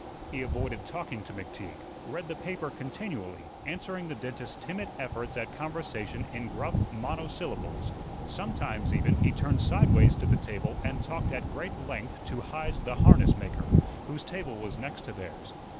He avoided talking to McTeague, read the paper continually, answering the dentist's timid efforts at conversation in gruff monosyllables. Sometimes, even, he turned sideways to the table and talked at great length to Heise the harness maker, whose table was next to theirs.